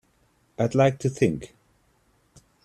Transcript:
I'd like to think.